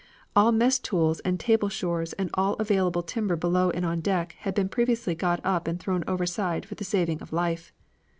All mess stools and table shores and all available timber below and on deck had been previously got up and thrown overside for the saving of life.